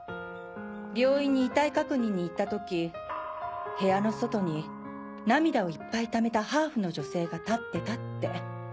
病院に遺体確認に行った時部屋の外に涙をいっぱいためたハーフの女性が立ってたって。